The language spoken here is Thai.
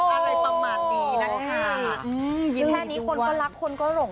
อะไรประมาณนี้นะคะอืมยิ้มแค่นี้คนก็รักคนก็หลง